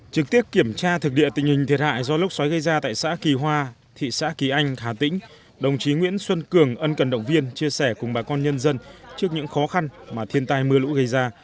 trực tiếp kiểm tra thực địa tình hình thiệt hại do lốc xoáy gây ra tại xã kỳ hoa thị xã kỳ anh hà tĩnh đồng chí nguyễn xuân cường ân cần động viên chia sẻ cùng bà con nhân dân trước những khó khăn mà thiên tai mưa lũ gây ra